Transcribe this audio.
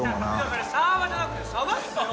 それサーバーじゃなくて鯖っすよ！